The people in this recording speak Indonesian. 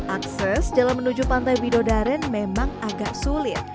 akses jalan menuju pantai widodaren memang agak sulit